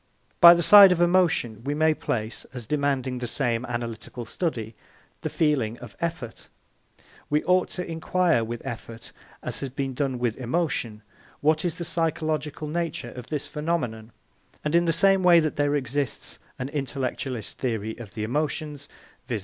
By the side of emotion we may place, as demanding the same analytical study, the feeling of effort. We ought to inquire with effort, as has been done with emotion, what is the psychological nature of this phenomenon; and in the same way that there exists an intellectualist theory of the emotions, viz.